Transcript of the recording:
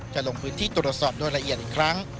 จะลงพื้นที่ตรวจสอบโดยละเอียดอีกครั้ง